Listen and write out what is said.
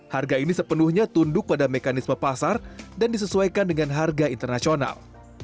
harga ini sepenuhnya tunduk pada mekanisme pasar dan disesuaikan dengan harga internasional